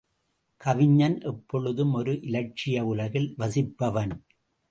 கவிஞன் எப்பொழுதும் ஒரு இலட்சிய உலகில் வசிப்பவன்.